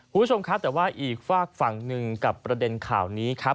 คุณผู้ชมครับแต่ว่าอีกฝากฝั่งหนึ่งกับประเด็นข่าวนี้ครับ